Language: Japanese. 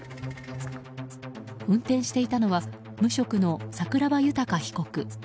運転していたのは無職の桜庭豊被告。